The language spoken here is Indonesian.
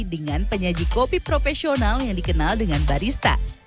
dengan penyaji kopi profesional yang dikenal dengan barista